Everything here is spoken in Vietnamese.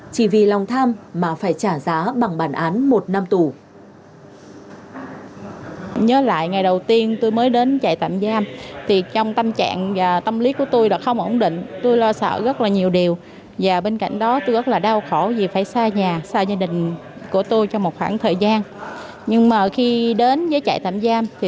chỉ vì lòng tham mà phải trả giá bằng bản án một năm tù